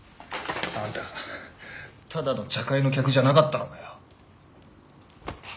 あんたただの茶会の客じゃなかったのかよ。